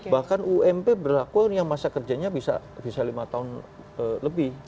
bahkan ump berlaku yang masa kerjanya bisa lima tahun lebih